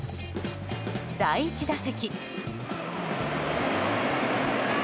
第１打席。